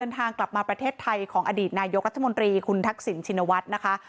ทางกลับมาประเทศไทยของอดีตนายกรัฐมนตรีคุณทักษิณชินวัฒน์นะคะ